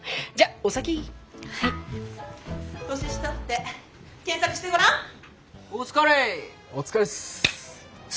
お疲れっす。